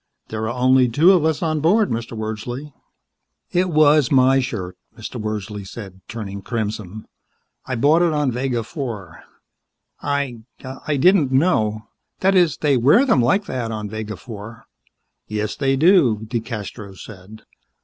There are only the two of us aboard, Mr. Wordsley." "It was my shirt," Mr. Wordsley said, turning crimson. "I bought it on Vega Four. I I didn't know that is, they wear them like that on Vega Four." "Yes, they do," DeCastros said.